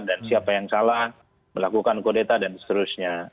dan siapa yang salah melakukan kodeta dan seterusnya